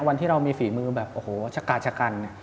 วันที่เรามีฝีมือแบบโอ้โหชะกาชะกัน